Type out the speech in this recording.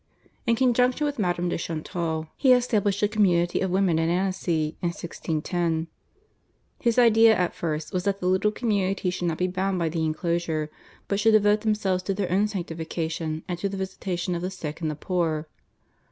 In conjunction with Madam de Chantal he established a community of women at Annecy in 1610. His idea at first was that the little community should not be bound by the enclosure, but should devote themselves to their own sanctification and to the visitation of the sick and the poor.